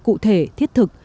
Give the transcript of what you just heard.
cụ thể thiết thực